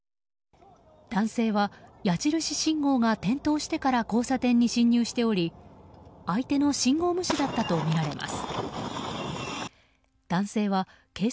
男性は矢印信号が点灯してから交差点に進入しており相手の信号無視だったとみられます。